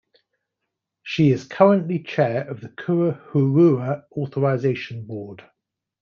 She is currently Chair of the Kura Hourua Authorisation Board.